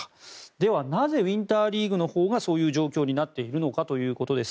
ではなぜウィンターリーグのほうがそういう状況になっているのかということです。